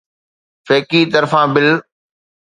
فيڪي طرفان بل